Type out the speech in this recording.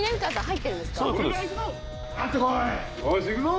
よしいくぞ！